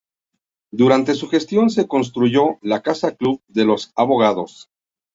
Durante su gestión se construyó la Casa Club de los Abogados.